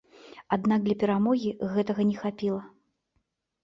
Аднак для перамогі гэтага не хапіла.